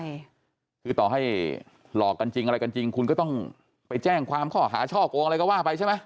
แต่เมอร์นึงแล้วอยากขอให้หลอกกันจริงอ่ะกันจริงคุณก็ต้องไปแจ้งความขอหาภาษาชอบโปรงอะไรก็ว่าไปใช่ไหม